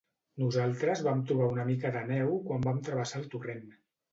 Nosaltres vam trobar una mica de neu quan vam travessar el torrent.